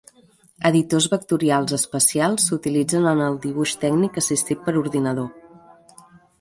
Editors vectorials especials s'utilitzen en el dibuix tècnic assistit per ordinador.